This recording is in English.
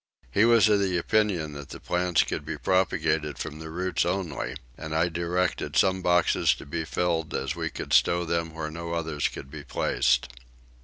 He was of opinion that the plants could be propagated from the roots only, and I directed some boxes to be filled as we could stow them where no others could be placed.